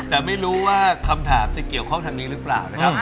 แต่ไม่รู้ว่าคำถามจะเกี่ยวข้องทางนี้หรือเปล่านะครับ